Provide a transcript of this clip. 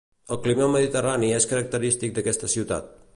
El clima mediterrani és característic d'aquesta ciutat.